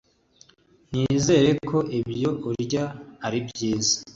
nizere ko ibyo urya ari byiza